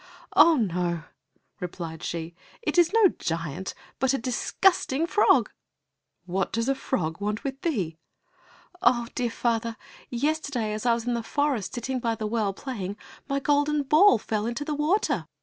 "Ah, no," replied she. "It is no giant but a disgusting frog." "What does a frog want with thee?" "Ah, dear father, yesterday as I was in the forest sitting by the well, playing, my golden ball fell into the water.